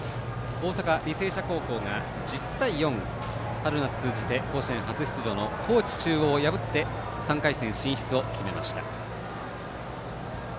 大阪、履正社高校が１０対４春夏通じて甲子園初出場の高知中央を破って３回戦進出を決めました。